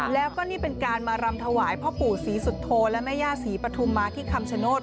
แล้วก็นี่เป็นการมารำถวายพ่อปู่ศรีสุโธและแม่ย่าศรีปฐุมมาที่คำชโนธ